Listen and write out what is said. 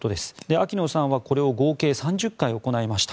秋野さんはこれを合計３０回行いました。